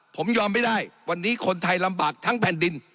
ผมยอมไม่ได้วันนี้คนไทยลำบากทั้งแผ่นดิน